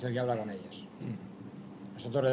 dan dia yang berbicara dengan mereka